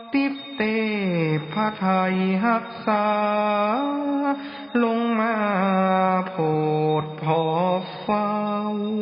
ติ๊บเต้พระไทยหักศาลงมาโพดพอเฝ้า